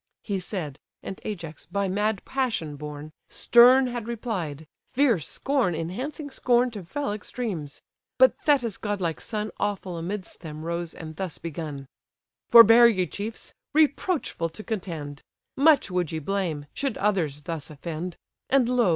He said: and Ajax, by mad passion borne, Stern had replied; fierce scorn enhancing scorn To fell extremes. But Thetis' godlike son Awful amidst them rose, and thus begun: "Forbear, ye chiefs! reproachful to contend; Much would ye blame, should others thus offend: And lo!